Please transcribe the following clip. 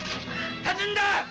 立つんだ！